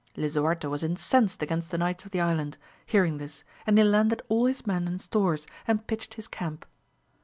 Lisuarte was incensed against the knights of AMADIS OF GAUL. 183 the island, hearing this, and he landed all his men and stores, and pitched his camp.